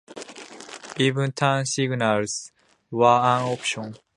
Even turn signals were an option.